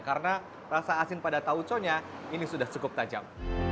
karena rasa asin pada tauconya ini sudah cukup tajam